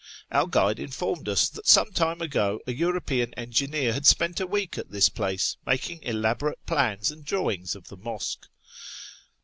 Our guide informed us that some time ago a European engineer had spent a week at this place, making elaborate plans and drawings of the mosque.